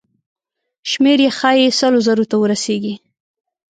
شمېر یې ښایي سلو زرو ته ورسیږي.